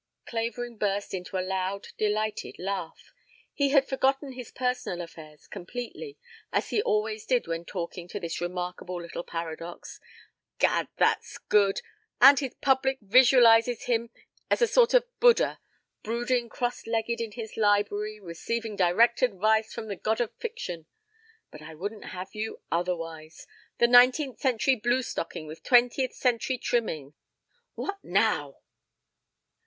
Clavering burst into a loud delighted laugh. He had forgotten his personal affairs completely, as he always did when talking to this remarkable little paradox. "Gad! That's good! And his public visualizes him as a sort of Buddha, brooding cross legged in his library, receiving direct advice from the god of fiction. ... But I wouldn't have you otherwise. The nineteenth century bluestocking with twentieth century trimmings. ... What now?"